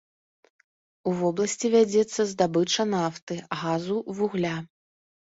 У вобласці вядзецца здабыча нафты, газу, вугля.